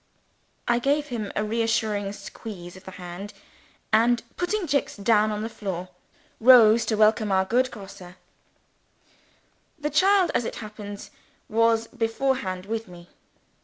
I gave him a reassuring squeeze of the hand, and, putting Jicks down on the floor, rose to welcome our good Grosse. The child, as it happened, was beforehand with me.